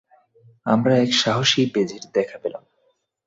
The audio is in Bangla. আমরা এক সাহসী বেজির দেখা পেলাম।